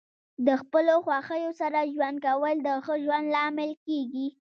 د خپلو خوښیو سره ژوند کول د ښه ژوند لامل کیږي.